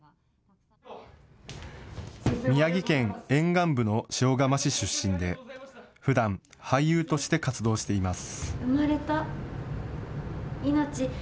宮城県沿岸部の塩釜市出身でふだん俳優として活動しています。